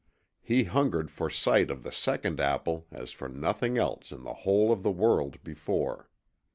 He hungered for sight of the second apple as for nothing else in the whole of the world before.